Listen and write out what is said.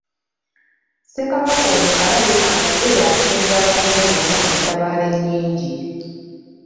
Ssekabaka ono alabika nga ye yasinza banne bonna entabaalo ennyingi.